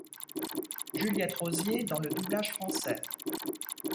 Juliette Rozier dans le doublage français.